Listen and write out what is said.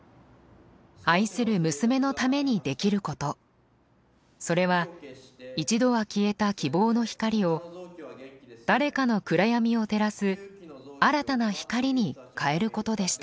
愛する娘のためにできることそれは一度は消えた希望の光を誰かの暗闇を照らす新たな光に変えることでした。